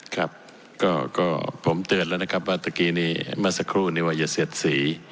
ครับก็ผมเตือนแล้วนะครับว่าเมื่อกี้นี้เมื่อสักครู่นี้ว่าอย่าเสียดสี